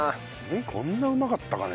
こんなうまかったかね。